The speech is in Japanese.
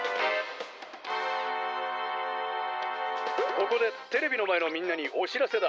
「ここでテレビのまえのみんなにおしらせだ！